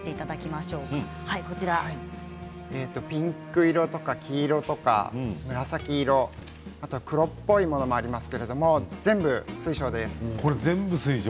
ピンク色とか黄色とか紫色、あと黒っぽいものもありますけれども全部、水晶です。